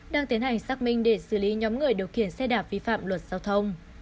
đang tiến hành xác minh để xử lý nhóm người điều khiển xe đạp vi phạm luật giao thông